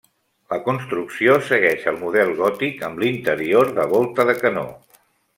La construcció segueix el model gòtic amb l'interior de volta de canó.